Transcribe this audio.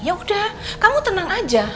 yaudah kamu tenang aja